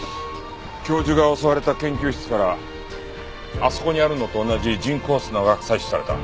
教授が襲われた研究室からあそこにあるのと同じ人工砂が採取された。